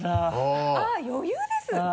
余裕です。